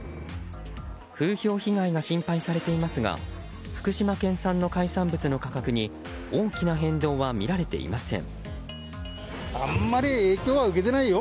風評被害が心配されていますが福島県産の海産物の価格に大きな変動は見られていません。